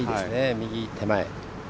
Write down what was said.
右手前。